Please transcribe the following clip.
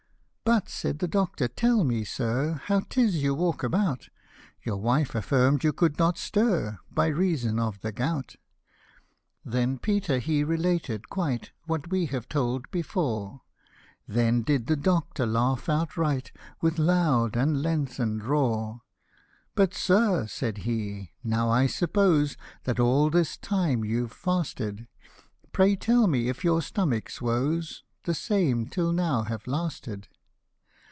" But," said the doctor, f< tell me, sir, How 'tis you walk about ; Your wife affirm'd you could not stir, By reason of the gout." Then Peter he related quite What we have told before ; Then did the doctor laugh outright, With loud and lengthen'd roar. 106 '* But, sir," said he, " now I suppose, That all this time you've fasted ; Pray tell me if your stomach's woes The same till now have lasted."